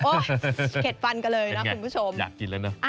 เข็ดฟันกันเลยนะคุณผู้ชมอยากกินแล้วนะ